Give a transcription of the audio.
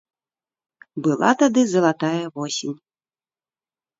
Была тады залатая восень.